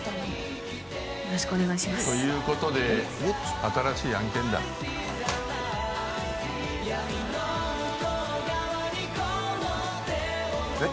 よろしくお願いしますということで新しい案件だえっ？